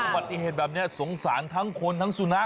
มันแท้แบบนี้สงสารทั้งคนทั้งสุนัข